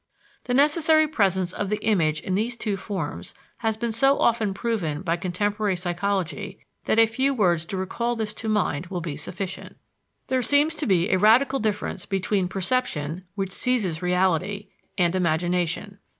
The necessary presence of the image in these two forms has been so often proven by contemporary psychology that a few words to recall this to mind will be sufficient. There seems to be a radical difference between perception, which seizes reality, and imagination.